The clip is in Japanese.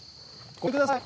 ごめんください！